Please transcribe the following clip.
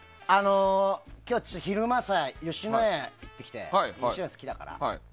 今日は昼間に吉野家に行ってきて吉野家好きだから。